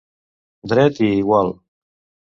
Dret i igual.